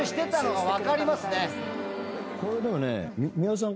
これでもね。